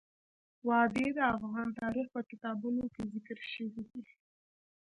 وادي د افغان تاریخ په کتابونو کې ذکر شوی دي.